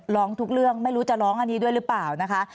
ร้องทุกเรื่องไม่รู้จะร้องอันนี้ด้วยหรือเปล่านะคะ